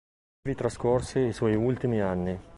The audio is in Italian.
Ivi trascorse i suoi ultimi anni.